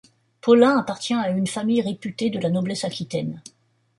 Paulin appartient à une famille réputée de la noblesse aquitaine.